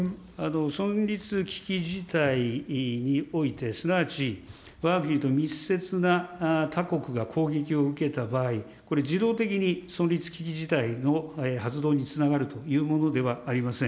存立危機事態において、すなわちわが国と密接な他国が攻撃を受けた場合、これ、自動的に存立危機事態の発動につながるというものではありません。